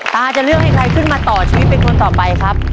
ตาจะเลือกให้ใครขึ้นมาต่อชีวิตเป็นคนต่อไปครับ